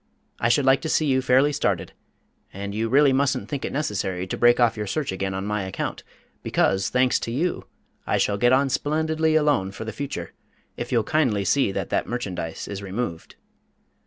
I should like to see you fairly started, and you really mustn't think it necessary to break off your search again on my account, because, thanks to you, I shall get on splendidly alone for the future if you'll kindly see that that merchandise is removed."